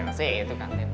ya masih itu kantin